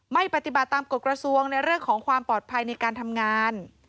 ไม่ปฏิบัติตามกฎกระทรวงในเรื่องของความปลอดภัยในการทำงาน